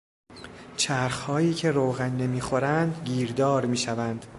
چرخهایی که روغن نمیخورند گیردار میشوند.